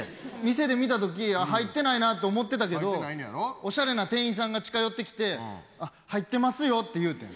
店で見た時入ってないなと思ってたけどおしゃれな店員さんが近寄ってきて「入ってますよ」って言うてん。